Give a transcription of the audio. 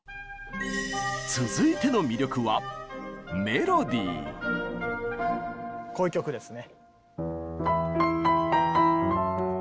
続いての魅力はこういう曲ですね。